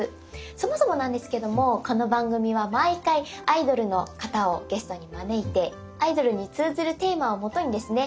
そもそもなんですけどもこの番組は毎回アイドルの方をゲストに招いてアイドルに通ずるテーマを基にですね